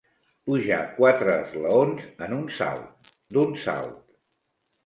Pujar quatre esglaons en un salt, d'un salt.